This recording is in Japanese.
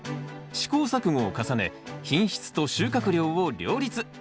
試行錯誤を重ね品質と収穫量を両立。